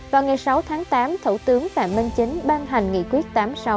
vào ngày sáu tháng tám thủ tướng phạm minh chính ban hành nghị quyết tám mươi sáu